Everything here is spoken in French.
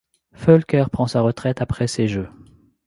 Völker prend sa retraite après ces Jeux.